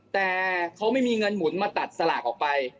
แต่เขาไม่มีเงินหมุนมาตัดสลากออกไป